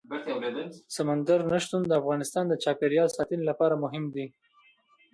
سمندر نه شتون د افغانستان د چاپیریال ساتنې لپاره مهم دي.